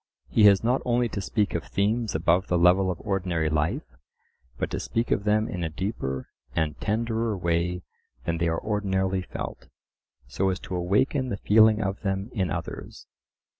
He has not only to speak of themes above the level of ordinary life, but to speak of them in a deeper and tenderer way than they are ordinarily felt, so as to awaken the feeling of them in others.